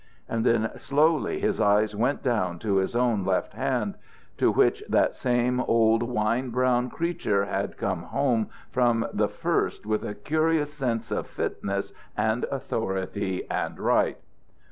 And then slowly his eyes went down to his own left hand, to which that same old wine brown creature had come home from the first with a curious sense of fitness and authority and right.